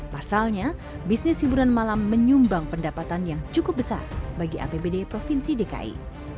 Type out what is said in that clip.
pasalnya bisnis hiburan malam menyumbang pendapatan yang cukup besar bagi apbd provinsi dki